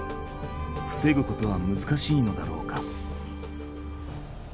ふせぐことは難しいのだろうか？